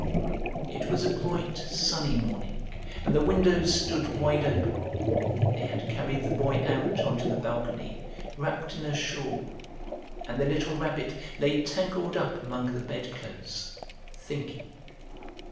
It was a bright, sunny morning, and the windows stood wide open. They had carried the Boy out on to the balcony, wrapped in a shawl, and the little Rabbit lay tangled up among the bedclothes, thinking.